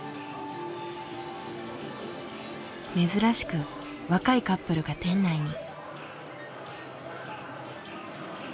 珍しく若いカップルが店内に。